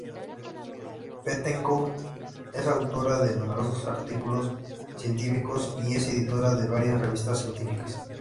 Bettencourt es autora de numerosos artículos científicos y es editora de varias revistas científicas.